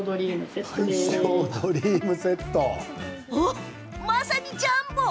おっ、まさにジャンボ！